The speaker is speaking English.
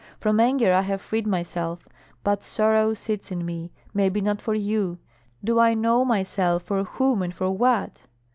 From anger I have freed myself, but sorrow sits in me maybe not for you. Do I know myself for whom and for what?